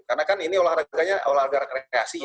karena kan ini olahraganya olahraga rekreasi